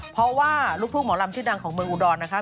เพราะว่าลูกทุ่งหมอลำชื่อดังของเมืองอุดรนะคะ